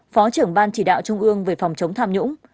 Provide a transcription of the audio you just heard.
phó trưởng ban chỉ đạo trung ương về phòng chống tham nhũng